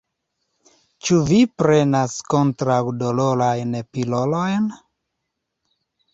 Ĉu vi prenas kontraŭ-dolorajn pilolojn?